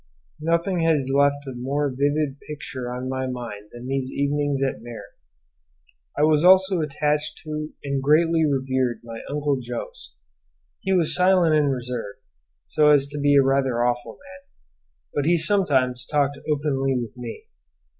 Nothing has left a more vivid picture on my mind than these evenings at Maer. I was also attached to and greatly revered my Uncle Jos; he was silent and reserved, so as to be a rather awful man; but he sometimes talked openly with me.